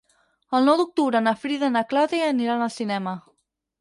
El nou d'octubre na Frida i na Clàudia aniran al cinema.